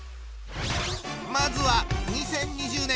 まずは２０２０年